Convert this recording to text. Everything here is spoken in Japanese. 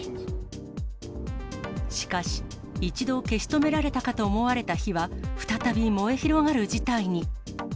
しかし、一度消し止められたかと思われた火は、再び燃え広がる事態に。